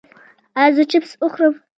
ایا زه چپس وخورم؟